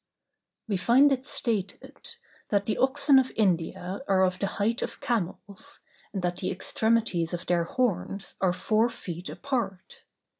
We find it stated, that the oxen of India are of the height of camels, and that the extremities of their horns are four feet apart.